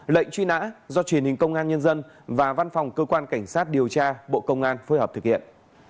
lệnh truy nã do truyền hình công an nhân dân và văn phòng cơ quan cảnh sát điều tra bộ công an phối hợp thực hiện